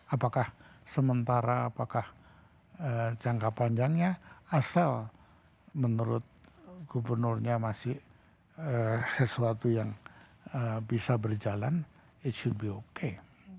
apakah sementara apakah eee jangka panjangnya asal menurut gubernurnya masih eee sesuatu yang eee bisa berjalan it should be okay